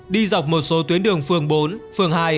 đi dọc một số tuyến đường phường bốn phường hai